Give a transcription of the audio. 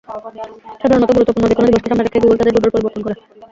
সাধারণত গুরুত্বপূর্ণ যেকোনো দিবসকে সামনে রেখেই গুগল তাঁদের ডুডল পরিবর্তন করে।